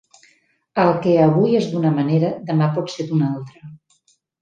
El que avui és d'una manera demà pot ser d'una altra.